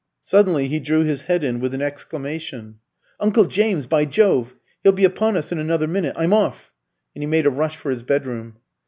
Suddenly he drew his head in with an exclamation. "Uncle James, by Jove! He'll be upon us in another minute. I'm off!" And he made a rush for his bedroom.